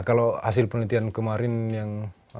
kalau hasil penelitian kemarin yang